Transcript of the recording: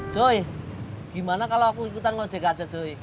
cuy gimana kalau aku ikutan ngajak aja cuy